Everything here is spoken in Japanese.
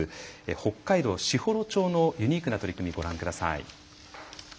北海道士幌町のユニークな取り組みをご覧ください。